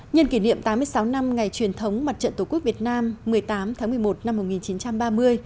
nhân kỷ niệm tám mươi sáu năm ngày truyền thống mặt trận tổ quốc việt nam một mươi tám tháng một mươi một năm một nghìn chín trăm ba mươi